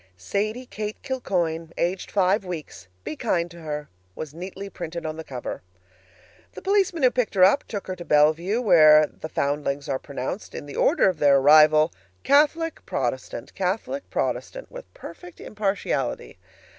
"Sadie Kate Kilcoyne, aged five weeks. Be kind to her," was neatly printed on the cover. The policeman who picked her up took her to Bellevue where the foundlings are pronounced, in the order of their arrival, "Catholic, Protestant, Catholic, Protestant," with perfect impartiality.